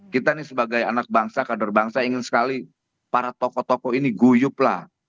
kita ini sebagai anak bangsa kader bangsa ingin sekali para tokoh tokoh ini guyup lah